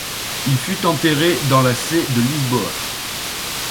Il fut enterré dans la Sé de Lisboa.